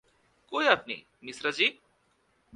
কই আপনি, মিশ্রাজী?